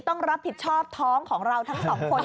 ต้องรับผิดชอบท้องของเราทั้งสองคน